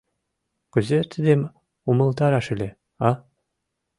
Кузе тидым умылтараш ыле, а?